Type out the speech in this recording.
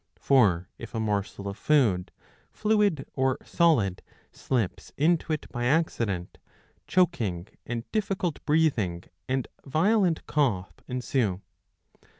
^ For if a morsel of food, fluid or solid, slips into it by accident, choking and difficult breathing and violent cough ensue.